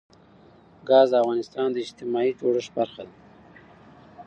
ګاز د افغانستان د اجتماعي جوړښت برخه ده.